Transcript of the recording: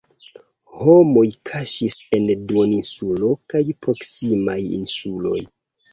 Homoj kaŝis en duoninsulo kaj proksimaj insuloj.